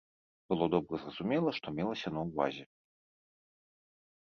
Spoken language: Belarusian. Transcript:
Было добра зразумела, што мелася на ўвазе!